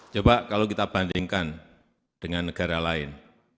coba kalau kita bandingkan dengan negara lain